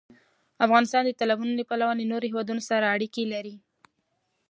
افغانستان د تالابونه له پلوه له نورو هېوادونو سره اړیکې لري.